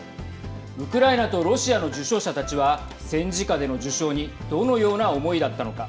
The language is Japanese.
ウクライナとロシアの受賞者たちは戦時下での受賞にどのような思いだったのか。